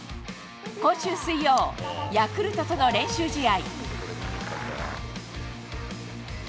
今週水曜、ヤクルトとの練習試合。